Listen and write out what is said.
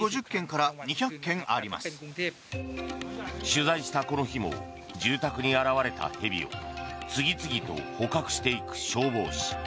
取材したこの日も住宅に現れた蛇を次々と捕獲していく消防士。